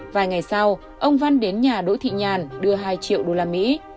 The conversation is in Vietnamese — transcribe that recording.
vài ngày sau ông văn đến nhà đỗ thị nhàn đưa hai triệu usd